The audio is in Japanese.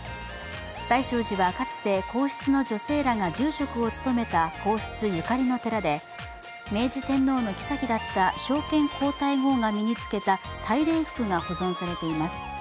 大聖寺はかつて皇室の女性らが住職を務めた皇室ゆかりの寺で明治天皇の后だった昭憲皇太后が身に着けた大礼服が保存されています。